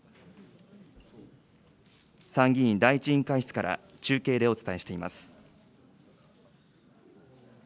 参議院第１委員会室から、中継でお伝えしています。